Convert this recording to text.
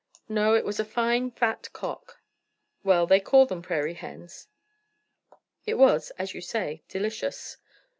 "No, it was a fine fat cock." "Well, they call them prairie hens. It was, as you say, delicious."